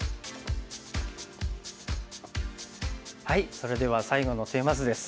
それでは最後のテーマ図です。